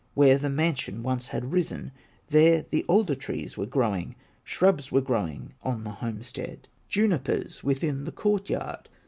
Where a mansion once had risen, There the alder trees were growing, Shrubs were growing on the homestead, Junipers within the court yard.